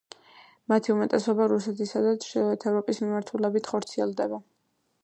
მათი უმეტესობა რუსეთისა და ჩრდილოეთ ევროპის მიმართულებით ხორციელდება.